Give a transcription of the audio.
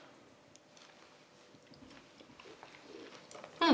うん。